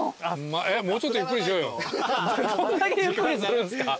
どんだけゆっくりするんすか。